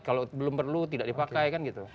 kalau belum perlu tidak dipakai kan gitu